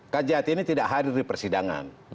kjh ini tidak hadir di persidangan